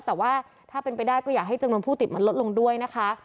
แต่ว่าถ้าเป็นไปได้ก็อยากให้จำนวนผู้ติดมันลดลงด้วยนะคะ